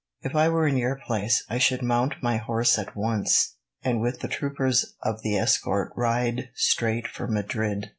"If I were in your place, I should mount my horse at once, and with the troopers of the escort ride straight for Madrid."